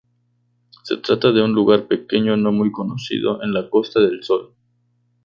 Se trata de un lugar pequeño no muy conocido, en la Costa del Sol.